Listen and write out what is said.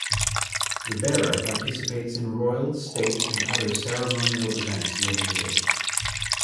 The bearer participates in royal, state, and other ceremonial events when needed.